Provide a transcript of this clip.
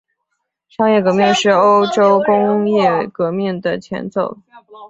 商业革命是欧洲工业革命的前奏。